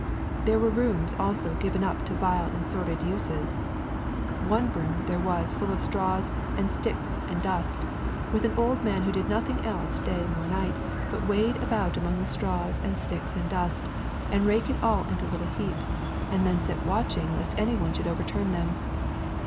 There were rooms also given up to vile and sordid uses. One room there was full of straws and sticks and dust, with an old man who did nothing else day nor night but wade about among the straws and sticks and dust, and rake it all into little heaps, and then sit watching lest any one should overturn them.